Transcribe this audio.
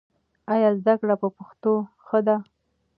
ایا زده کړه په پښتو ښه ده؟